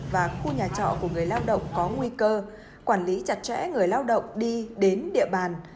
và khu nhà trọ của người lao động có nguy cơ quản lý chặt chẽ người lao động đi đến địa bàn